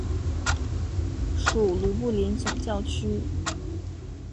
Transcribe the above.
属卢布林总教区。